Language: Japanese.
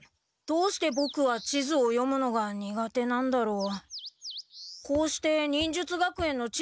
どうしてボクは地図を読むのが苦手なんだろう。